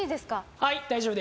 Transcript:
はい大丈夫です。